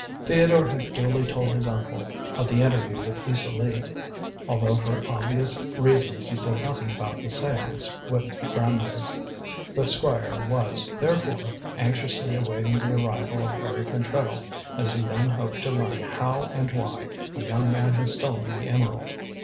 Theodore had duly told his uncle of the interview with Isa Lee, although for obvious reasons he said nothing about the séance with the grandmother. The Squire was, therefore, anxiously awaiting the arrival of Harry Pentreddle, as he then hoped to learn how and why the young man had stolen the emerald.